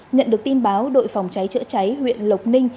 nhận được tin báo đội phòng cháy chữa cháy huyện lộc ninh